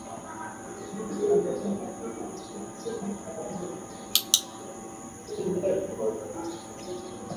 Amri kumi balimupatiaka musa juya kuongoza muntu